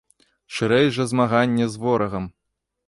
Шырэй жа змаганне з ворагам!